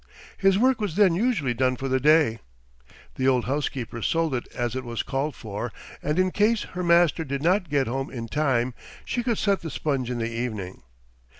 His work was then usually done for the day. The old housekeeper sold it as it was called for, and, in case her master did not get home in time, she could set the sponge in the evening.